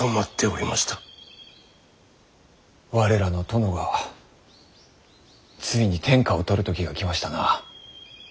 我らの殿がついに天下を取る時が来ましたな。